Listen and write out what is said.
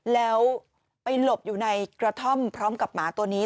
แล้วไปหลบอยู่ในกระท่อมพร้อมกับหมาตัวนี้